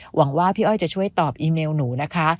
หวังว่าพี่อ้อยจะช่วยตอบอีเมลหนูนะคะ